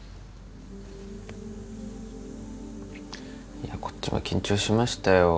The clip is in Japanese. いやこっちは緊張しましたよ。